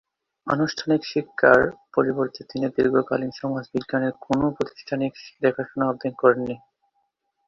আনুষ্ঠানিক শিক্ষার পরিবর্তে তিনি দীর্ঘকালীন সমাজবিজ্ঞানের কোনও প্রাতিষ্ঠানিক দেখাশোনা অধ্যয়ন করেননি।